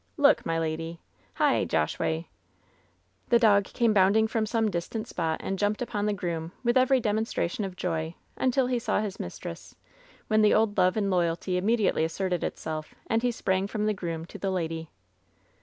Look, my lady ! Hi f Josh way 1'^ The dog came bounding from some distant spot and jumped upon the groom with every demonstration of joy until he saw his mistress, when the old love and loyalty immediately asserted itself, and he sprang from the groom to the lady.